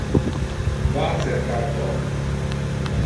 Va a cercar Tom.